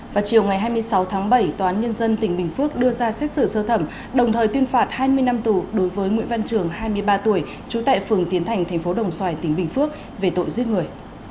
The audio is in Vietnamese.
vào chiều ngày hai mươi sáu tháng bảy tòa án nhân dân tỉnh bình phước đưa ra xét xử sơ thẩm đồng thời tuyên phạt hai mươi năm tù đối với nguyễn văn trường hai mươi ba tuổi trú tại phường tiến thành thành phố đồng xoài tỉnh bình phước về tội giết người